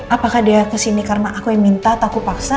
apakah dia kesini karena aku yang minta aku paksa